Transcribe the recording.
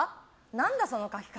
何だその書き方。